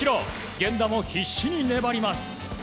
源田も必死に粘ります。